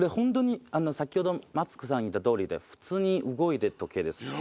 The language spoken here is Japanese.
先ほどマツコさん言った通りで普通に動いてる時計です。